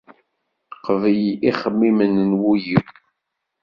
Qbel ixemmimen n wul-iw.